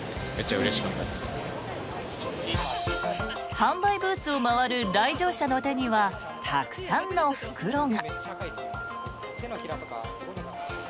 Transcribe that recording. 販売ブースを回る来場者の手にはたくさんの袋が。